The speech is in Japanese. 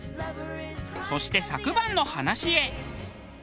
そして昨晩の話へ。